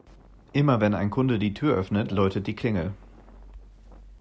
Immer, wenn ein Kunde die Tür öffnet, läutet die Klingel.